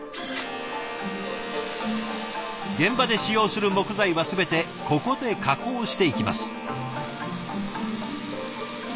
現場で使用する木材は全てここで加工していきます。